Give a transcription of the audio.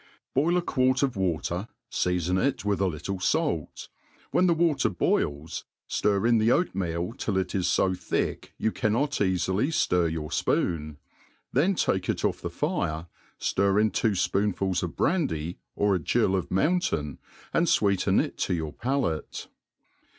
BOIL a quart of water, feafon it with a little fait ; whe^ die water boils, Sir in the oatmeal till it is fd thick you can inot eafily ftir your fpoon ; then take it off the fire, (lir in twa ipoonfuls of brandy,, or a gill of mountain, and fweeten it to your palate.